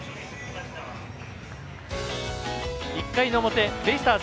１回の表、ベイスターズ